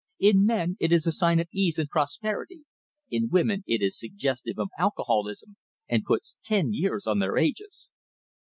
In men it is a sign of ease and prosperity, in women it is suggestive of alcoholism and puts ten years on their ages."